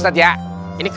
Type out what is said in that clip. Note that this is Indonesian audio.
saya pengguna pakde